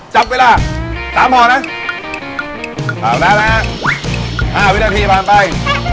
จับเวลาสามห่อนะถามแล้วนะห้าวินาทีตามไป